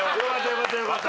よかったよかった。